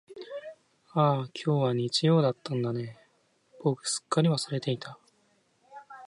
ああ、今日は日曜だったんだね、僕すっかり忘れていた。